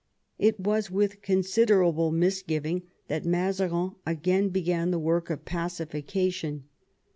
It was with considerable misgiving that Mazarin again began the work of pacification.